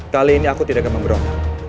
kali ini aku tidak akan memberong